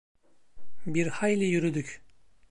Bir hayli yürüdük.